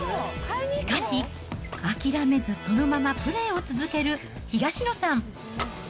しかし、諦めずそのままプレーを続ける東野さん。